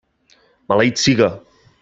Maleït siga!